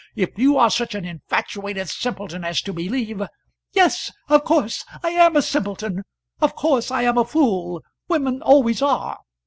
If you are such an infatuated simpleton as to believe " "Yes; of course I am a simpleton; of course I am a fool; women always are."